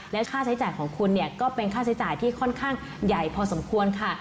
และค่าใช้จ่ายของคุณเนี่ยก็เป็นค่าใช้จ่ายที่ค่อนข้างใหญ่พอสมควรค่ะ